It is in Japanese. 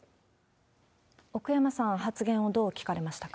奥山さん、発言をどう聞かれましたか？